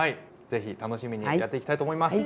是非楽しみにやっていきたいと思います。